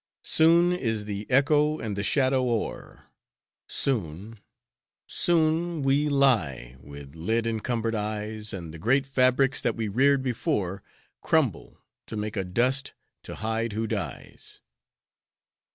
"Soon is the echo and the shadow o'er, Soon, soon we lie with lid encumbered eyes And the great fabrics that we reared before Crumble to make a dust to hide who dies."